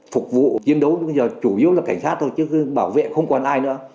phục vụ chiến đấu bây giờ chủ yếu là cảnh sát thôi chứ bảo vệ không còn ai nữa